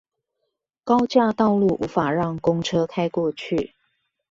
高架道路無法讓公車開過去